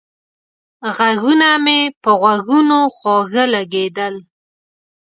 غږونه مې په غوږونو خواږه لگېدل